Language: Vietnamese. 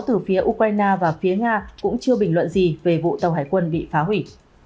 từ phía ukraine và phía nga cũng chưa bình luận gì về vụ tàu hải quân bị phá hủy